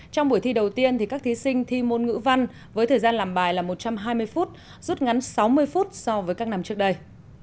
trong buổi thi đầu tiên các thí sinh thi môn ngữ văn với thời gian làm bài là một trăm hai mươi phút rút ngắn sáu mươi phút so với các năm trước đây